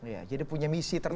ya jadi punya misi tertentu